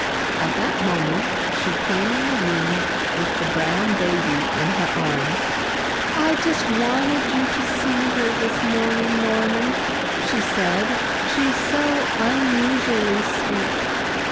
At that moment, she came in the room with the brown baby in her arms. "I just wanted you to see her this morning, Norman," she said, "she's so unusually sweet."